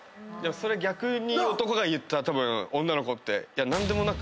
それ逆に男が言ったらたぶん女の子って。